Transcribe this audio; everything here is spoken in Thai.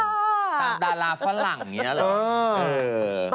ดาราฝรั่งอย่างนี้เหรอ